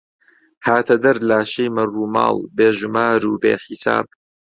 هاتە دەر لاشەی مەڕوماڵ، بێ ژومار و بێ حیساب